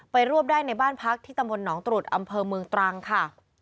รวบได้ในบ้านพักที่ตำบลหนองตรุษอำเภอเมืองตรังค่ะ